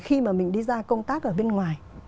khi mà mình đi ra công tác ở bên ngoài